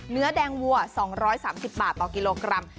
เนื้อแดงวัว๒๓๐บาทต่อกิโลกรัม